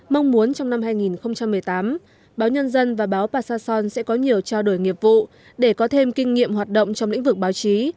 mong muốn trong năm hai nghìn một mươi tám báo nhân dân và báo passason sẽ có nhiều trao đổi nghiệp vụ để có thêm kinh nghiệm hoạt động trong lĩnh vực báo chí